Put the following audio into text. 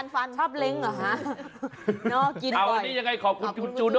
สวัสดีครับ